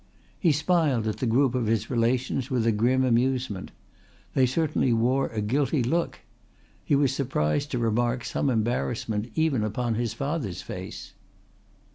He smiled at the group of his relations with a grim amusement. They certainly wore a guilty look. He was surprised to remark some embarrassment even upon his father's face.